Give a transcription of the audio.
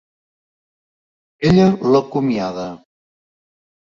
Ella l'acomiada.